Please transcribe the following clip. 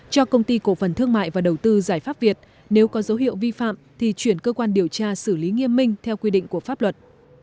cho công ty cổ phần thương mại và đầu tư giải pháp việt nếu có dấu hiệu vi phạm thì chuyển cơ quan điều tra xử lý nghiêm minh theo quy định của pháp luật